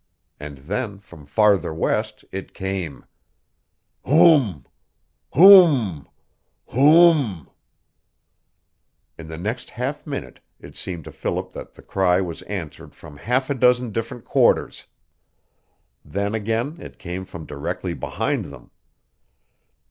And then, from farther west, it came "Hoom Hoom Ho o o o o m m m m " In the next half minute it seemed to Philip that the cry was answered from half a dozen different quarters. Then again it came from directly behind them.